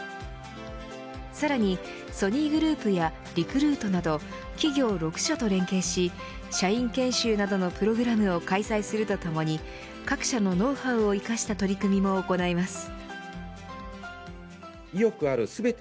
さらに、ソニーグループやリクルートなど企業６社と連携し社員研修などのプログラムを開催するとともに各社のノウハウを生かした取り組みも行います。